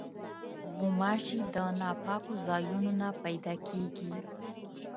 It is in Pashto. غوماشې د ناپاکو ځایونو نه پیدا کېږي.